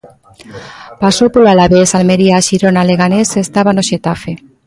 Pasou polo Alavés, Almería, Xirona, Leganés e estaba no Xetafe.